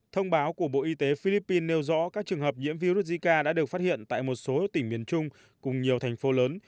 thông báo của bộ y tế philippines nêu rõ các trường hợp nhiễm virus zika đã được phát hiện tại một số tỉnh miền trung cùng nhiều thành phố lớn